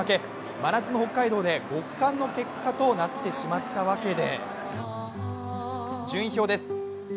真夏の北海道で極寒の結果となってしまったわけで。